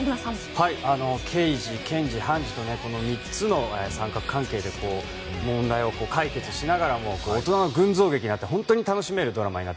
刑事、検事、判事という３つの三角関係で問題を解決しながら大人の群像劇で本当に楽しめるドラマです。